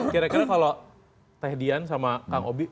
kira kira kalau teh dian sama kang obi